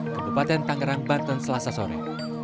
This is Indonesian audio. kebupaten tangerang banten selasa sore